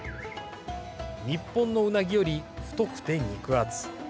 日本のうなぎより太くて肉厚。